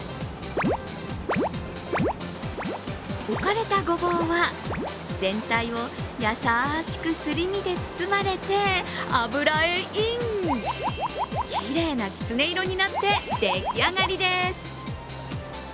置かれたごぼうは、全体を優しくすり身で包まれて油へイン、きれいなきつね色になって、出来上がりです。